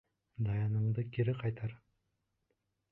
Даяныңды кире ҡайтар.